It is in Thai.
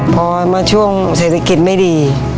พอมาช่วงเศรษฐกิจไม่ดี